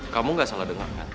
kamu gak salah dengar kan